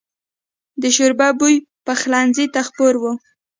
د شوربه بوی پخلنځي ته خپور و.